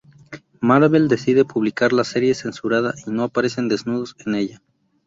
Marvel decide publicar la serie censurada y no aparecen desnudos en ella.